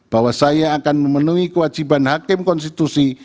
bahwa saya akan memenuhi kewajiban hakim konstitusi